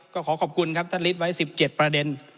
ก็ขอขอบคุณครับท่านฤทธิไว้๑๗ประเด็น